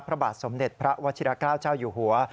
พระบาทสมเด็จพระวชิราเกล้าเจ้าอยู่หัว